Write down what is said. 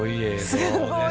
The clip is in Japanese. すごい。